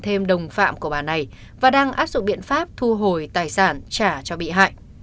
thêm đồng phạm của bà này và đang áp dụng biện pháp thu hồi tài sản trả cho bị hại